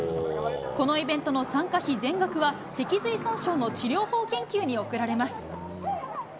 このイベントの参加費全額は、脊髄損傷の治療法研究に贈られます。